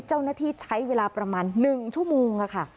เจ้าหน้าที่ใช้เวลาประมาณ๑ชั่วโมงค่ะ